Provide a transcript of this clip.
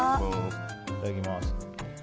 いただきます。